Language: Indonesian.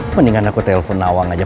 mendingan aku telpon nawang aja